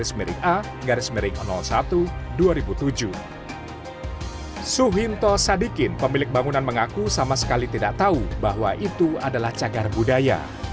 suhinto sadikin pemilik bangunan mengaku sama sekali tidak tahu bahwa itu adalah cagar budaya